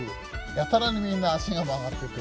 やたらにみんな足が曲がってて。